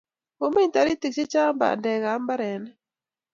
omei toritik chechang' bandek am mbarenik